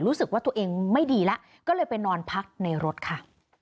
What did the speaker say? รู้สึกว่าตัวเองไม่ดีแล้วก็เลยไปนอนพักในรถค่ะ